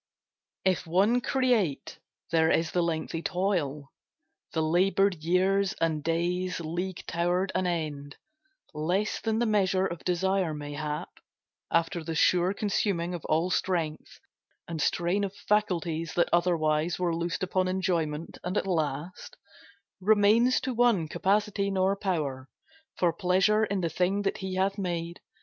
If one create, there is the lengthy toil; The laboured years and days league tow'rd an end Less than the measure of desire, mayhap, After the sure consuming of all strength, And strain of faculties that otherwhere Were loosed upon enjoyment; and at last Remains to one capacity nor power For pleasure in the thing that he hath made.